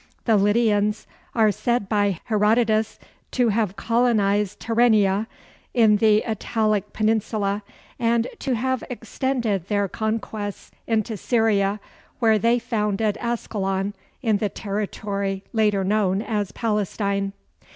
The Lydians are said by Herodotus to have colonized Tyrrhenia, in the Italic peninsula, and to have extended their conquests into Syria, where they founded Ascalon in the territory later known as Palestine.